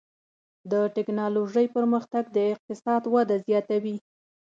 د ټکنالوجۍ پرمختګ د اقتصاد وده زیاتوي.